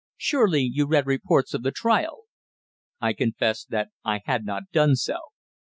Surely you read reports of the trial?" I confessed that I had not done so.